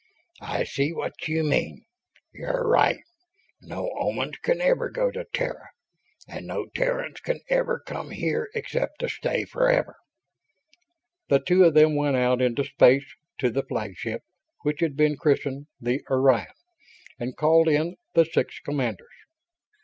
I see what you mean. You're right. No Omans can ever go to Terra; and no Terrans can ever come here except to stay forever." The two then went out into space, to the flagship which had been christened the Orion and called in the six commanders.